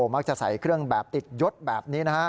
มักจะใส่เครื่องแบบติดยศแบบนี้นะฮะ